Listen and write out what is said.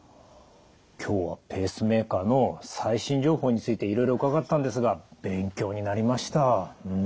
今日はペースメーカーの最新情報についていろいろ伺ったんですが勉強になりました。